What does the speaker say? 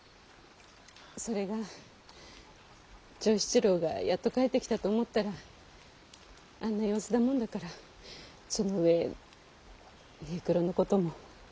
それが長七郎がやっと帰ってきたと思ったらあんな様子だもんだからその上平九郎のことも。